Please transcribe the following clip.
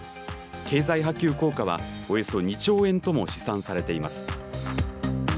経済波及効果はおよそ２兆円とも試算されています。